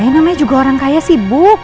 yang namanya juga orang kaya sibuk